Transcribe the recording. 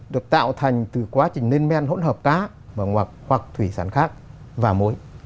được tạo thành từ quá trình lên men hỗn hợp cá hoặc thủy sản khác và muối